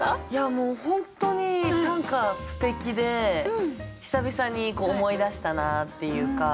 もう本当に短歌すてきで久々に思い出したなっていうか。